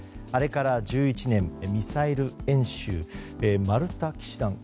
あれから１１年ミサイル演習マルタ騎士団